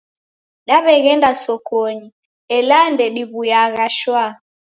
Daw'eghenda sokonyi, ela ndediw'uyagha shwaa.